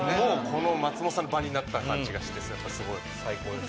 岩井：松本さんの場になった感じがして、すごいです。